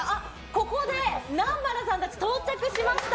ここで、南原さんたち到着しました。